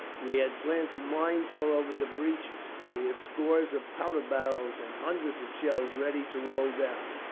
We had planted mines all over the breaches. We had scores of powder barrels, and hundreds of shells ready to roll down.